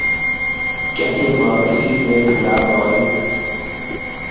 Kyatyem abir simet inga maaip